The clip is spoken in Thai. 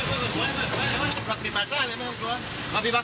เปิดเบอร์เปิดเบอร์